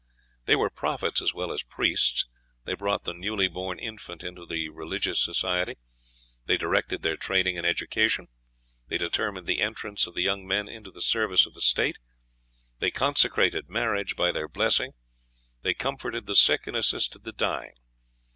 They were prophets as well as priests. "They brought the newly born infant into the religious society; they directed their training and education; they determined the entrance of the young men into the service of the state; they consecrated marriage by their blessing; they comforted the sick and assisted the dying."